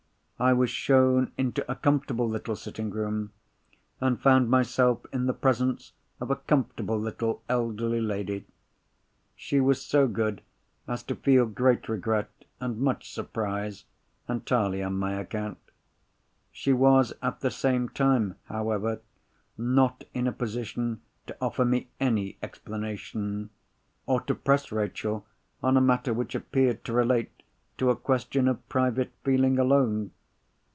I was shown into a comfortable little sitting room, and found myself in the presence of a comfortable little elderly lady. She was so good as to feel great regret and much surprise, entirely on my account. She was at the same time, however, not in a position to offer me any explanation, or to press Rachel on a matter which appeared to relate to a question of private feeling alone.